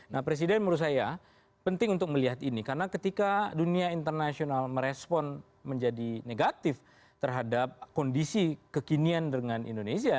nah presiden menurut saya penting untuk melihat ini karena ketika dunia internasional merespon menjadi negatif terhadap kondisi kekinian dengan indonesia